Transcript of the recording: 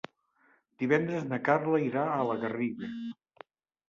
Divendres na Carla irà a la Garriga.